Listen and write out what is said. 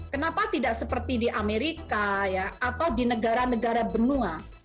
kenapa tidak seperti di amerika atau di negara negara benua